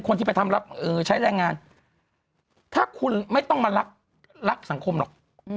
คนที่ไปทำรับใช้แรงงานถ้าคุณไม่ต้องมารักสังคมหรอก